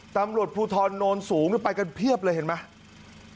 ตำรวจภูทรโนนสูงไปกันเพียบเลยเห็นไหม